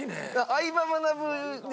『相葉マナブ』で。